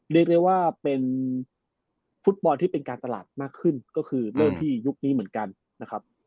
เรียกได้ว่าเป็นฟุตบอลที่เป็นการตลาดมากขึ้นก็คือเริ่มที่ยุคนี้เหมือนกันนะครับ